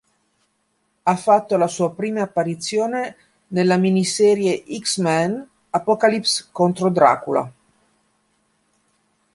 Ha fatto la sua prima apparizione nella miniserie "X-Men: Apocalypse vs. Dracula".